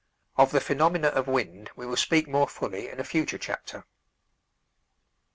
Of the phenomena of wind we will speak more fully in a future chapter.